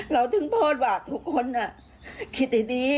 กลุ่มไหนไม่ควรฉีด